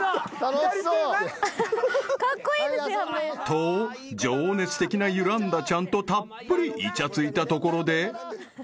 ［と情熱的なユランダちゃんとたっぷりいちゃついたところで］